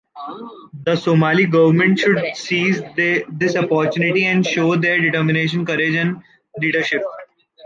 The Somali Government should seize this opportunity and show their determination, courage, and leadership.